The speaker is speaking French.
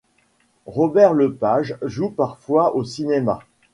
Robert Lepage joue parfois au cinéma.